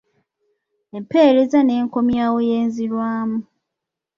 Empeereza n’enkomyawo y’enzirwamu